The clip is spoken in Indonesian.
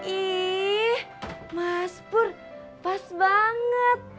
ih mas pur pas banget